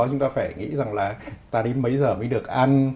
chúng ta phải nghĩ rằng là ta đến mấy giờ mới được an